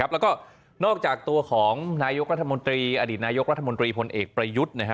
แล้วก็นอกจากตัวของนายกรัฐมนตรีอดีตนายกรัฐมนตรีพลเอกประยุทธ์